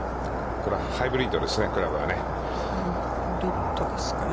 これはハイブリッドですね、クラブはね。